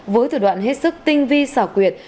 với thủ đoạn hết sức tinh vi xảo quyệt